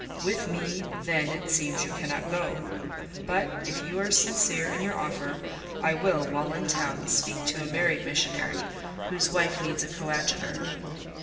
With me, then, it seems, you cannot go: but if you are sincere in your offer, I will, while in town, speak to a married missionary, whose wife needs a coadjutor.